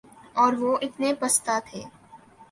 اور وہ اتنے پستہ تھے